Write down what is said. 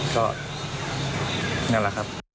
ก็นั่นแหละครับ